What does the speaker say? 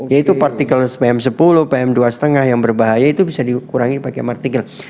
yaitu partikel pm sepuluh pm dua lima yang berbahaya itu bisa dikurangi pakai partikel